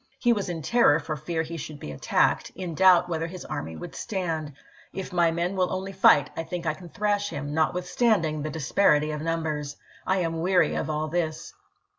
He was in terror for fear he should be attacked, in doubt whether his army would stand. " If my men will only fight I think I can thrash him, notwith standing the disparity of numbers. .. I am weary of all this."